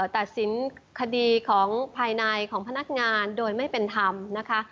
ตัดสินคดีของภายในของพนักงานโดยไม่เป็นธรรมนะคะ